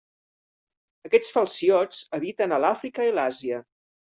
Aquests falciots habiten a l'Àfrica i l'Àsia.